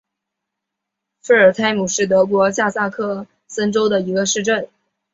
费尔泰姆是德国下萨克森州的一个市镇。